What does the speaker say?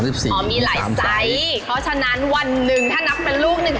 เพราะฉะนั้นวันหนึ่งถ้านับเป็นลูก